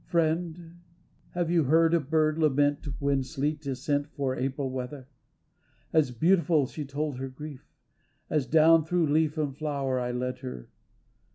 Friend, have you heard a bird lament When sleet is sent for April weather? As beautiful she told her grief. As down through leaf and flower I led her.